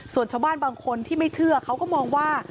ส่วนชาวบ้านบางคนที่ไม่เชื่อเขาก็มองว่า